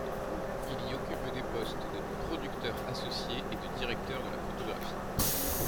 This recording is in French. Il y occupe les postes de producteur associé et de directeur de la photographie.